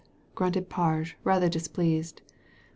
" grunted Parge, rather displeased.